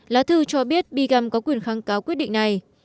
lá thư cho biết big có quyền kháng cáo quyết định này